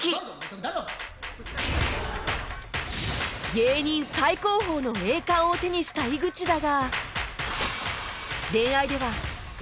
芸人最高峰の栄冠を手にした井口だが